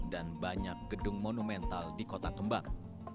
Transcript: dan banyak gedung monumental di kota kembang